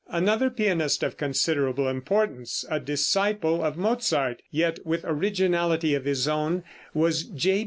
Another pianist of considerable importance, a disciple of Mozart, yet with originality of his own, was J.